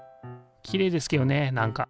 きれいですけどねなんか。